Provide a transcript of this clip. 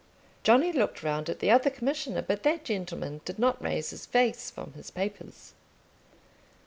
Johnny looked round at the other Commissioner, but that gentleman did not raise his face from his papers.